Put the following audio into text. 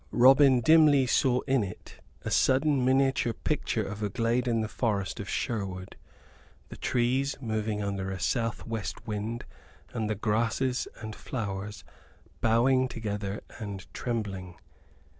Robin dimly saw in it a sudden miniature picture of a glade in the forest of Sherwood, the trees moving under a south west wind, and the grasses and flowers bowing together and trembling.